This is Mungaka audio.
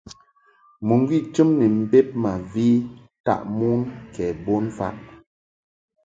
Mɨŋgwi chɨm ni mbed ma vi taʼ mon ke bon mfaʼ.